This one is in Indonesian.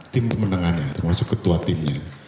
tim pemenangannya termasuk ketua timnya